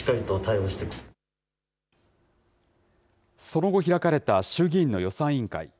その後、開かれた衆議院の予算委員会。